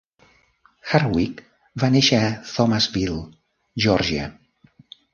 Hardwick va néixer a Thomasville, Geòrgia.